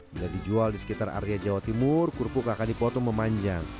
bila dijual di sekitar area jawa timur kerupuk akan dipotong memanjang